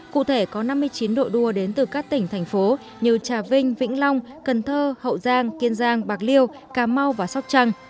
cụ thể có năm mươi chín đội đua đến từ các tỉnh thành phố như trà vinh vĩnh long cần thơ hậu giang kiên giang bạc liêu cà mau và sóc trăng